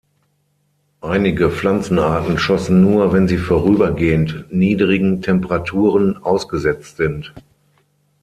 Einige Pflanzenarten schossen nur, wenn sie vorübergehend niedrigen Temperaturen ausgesetzt sind.